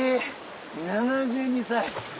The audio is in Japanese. ７２歳。